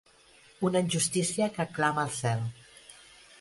Una injustícia que clama al cel!